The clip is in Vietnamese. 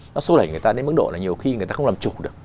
nó xô lẩy người ta đến mức độ là nhiều khi người ta không làm chủ được